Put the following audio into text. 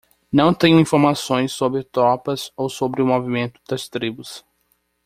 Não tenho informações sobre tropas ou sobre o movimento das tribos.